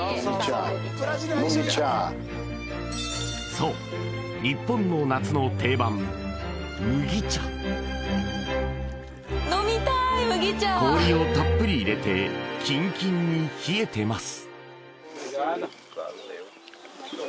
そう日本の夏の定番麦茶氷をたっぷり入れてキンキンに冷えてます